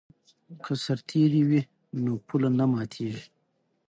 که سرتیری وي نو پوله نه ماتیږي.